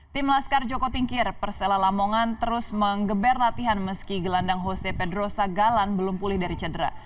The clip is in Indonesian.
tim laskar joko tinkir persela lamongan terus mengeber latihan meski gelandang jose pedro sagalan belum pulih dari cedera